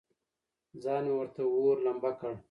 ځان مې ورته اور، لمبه کړ.